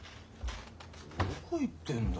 どこ行ってんだ